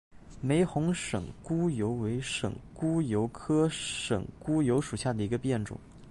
玫红省沽油为省沽油科省沽油属下的一个变种。